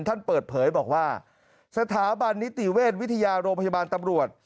ท่านเปิดเผยบอกว่าสถาบันนิติเวชวิทยาโรงพยาบาลตำรวจ